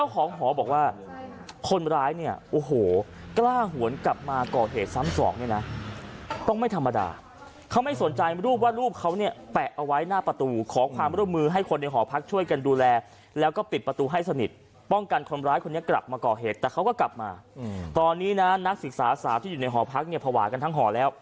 ของหอบอกว่าคนร้ายเนี่ยโอ้โหกล้าหวนกลับมาก่อเหตุซ้ำสองเนี่ยนะต้องไม่ธรรมดาเขาไม่สนใจรูปว่ารูปเขาเนี่ยแปะเอาไว้หน้าประตูขอความร่วมมือให้คนในหอพักช่วยกันดูแลแล้วก็ปิดประตูให้สนิทป้องกันคนร้ายคนนี้กลับมาก่อเหตุแต่เขาก็กลับมาตอนนี้นะนักศึกษาสาวที่อยู่ในหอพักเนี่ยภาวะกันทั้งหอแล้ว